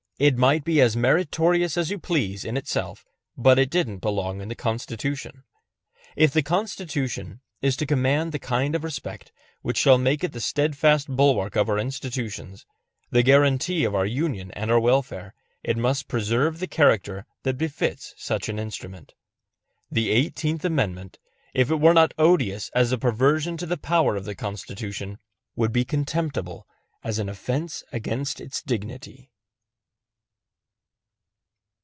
It might be as meritorious as you please in itself, but it didn't belong in the Constitution. If the Constitution is to command the kind of respect which shall make it the steadfast bulwark of our institutions, the guaranty of our union and our welfare, it must preserve the character that befits such an instrument. The Eighteenth Amendment, if it were not odious as a perversion of the power of the Constitution, would be contemptible as an offense against its dignity.